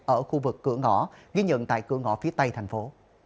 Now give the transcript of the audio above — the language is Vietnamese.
ở khu vực cửa ngõ ghi nhận tại cửa ngõ phía tây thành phố